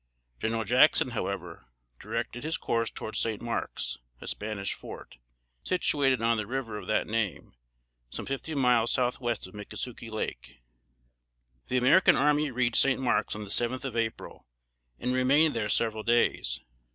General Jackson, however, directed his course towards St. Marks, a Spanish fort, situated on the river of that name, some fifty miles southwest of Mickasukie Lake. The American army reached St. Marks on the seventh of April, and remained there several days.